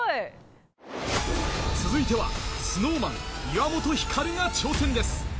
続いては、ＳｎｏｗＭａｎ・岩本照が挑戦です。